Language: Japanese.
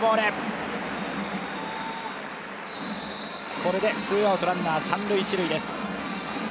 これでツーアウト、ランナー三塁、一塁です。